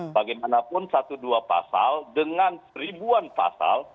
bagaimanapun satu dua pasal dengan seribuan pasal